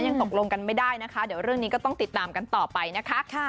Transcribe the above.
ยังตกลงกันไม่ได้นะคะเดี๋ยวเรื่องนี้ก็ต้องติดตามกันต่อไปนะคะ